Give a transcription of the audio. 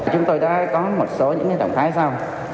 chúng tôi đã có một số những động thái sau